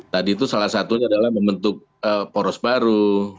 tadi itu salah satunya adalah membentuk poros baru